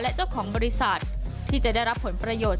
และเจ้าของบริษัทที่จะได้รับผลประโยชน์